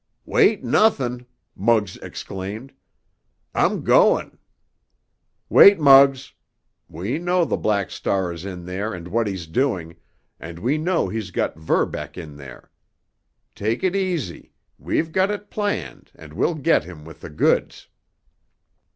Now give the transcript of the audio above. "Wait nuthin'!" Muggs exclaimed. "I'm goin'——" "Wait, Muggs! We know the Black Star is in there and what he's doing, and we know he's got Verbeck in there. Take it easy—we've got it planned and we'll get him with the goods."